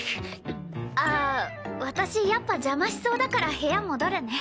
ああ私やっぱ邪魔しそうだから部屋戻るね。